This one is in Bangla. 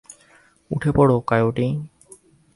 উঠে পড়ো, কায়োটি।